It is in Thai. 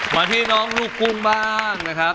มาที่น้องลูกกุ้งบ้างนะครับ